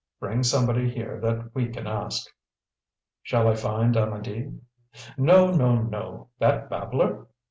Bring somebody here that we can ask." "Shall I find Amedee?" "No, no, no! That babbler?